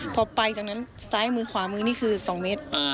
พอไปจากนั้นซ้ายมือขวามือนี่คือ๒เมตร